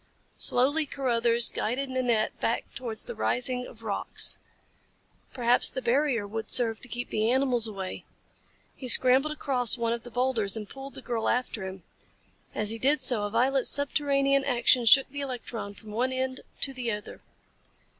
Slowly Carruthers guided Nanette back towards the ring of rocks perhaps the barrier would serve to keep the animals away. He scrambled across one of the boulders and pulled the girl after him. As he did so, a violent subterranean action shook the electron from one end to the other.